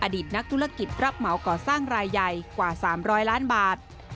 อดีตนักธุรกิจรับเหมาก่อสร้างรายใหญ่กว่า๓๐๐ล้านบาท